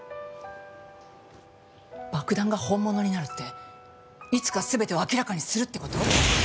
「爆弾が本物になる」っていつか全てを明らかにするって事？